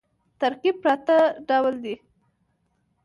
ترکیب پر اته ډوله دئ.